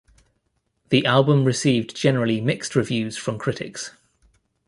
The album received generally mixed reviews from critics.